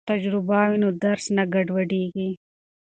که تجربه وي نو درس نه ګډوډیږي.